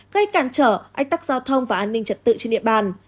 gây cản trở ách tắc giao thông và an ninh trật tự trên địa bàn